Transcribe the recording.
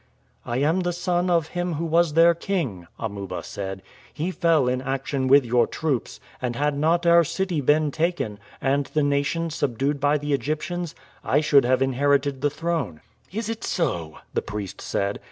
"I am the son of him who was their king," Amuba said. "He fell in action with your troops, and had not our city been taken, and the nation subdued by the Egyptians, I should have inherited the throne." "Is it so?" the priest said.